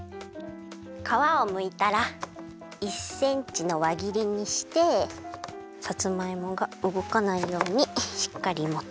かわをむいたら１センチのわぎりにしてさつまいもがうごかないようにしっかりもって。